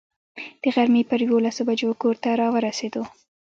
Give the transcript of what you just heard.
د غرمې پر یوولسو بجو کور ته را ورسېدو.